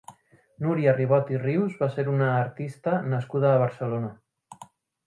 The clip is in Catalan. Núria Ribot i Rius va ser una artista nascuda a Barcelona.